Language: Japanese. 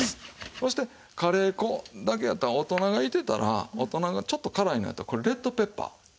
そしてカレー粉だけやったら大人がいてたら大人がちょっと辛いのやったらこれレッドペッパー。